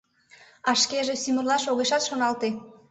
А шкеже сӱмырлаш огешат шоналте.